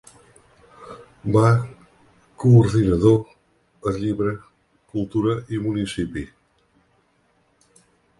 Va coordinador el llibre Cultura i municipi.